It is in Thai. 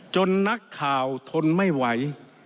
นักข่าวทนไม่ไหว